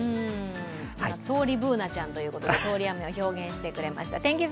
通りＢｏｏｎａちゃんということで、通り雨を表現してくれました。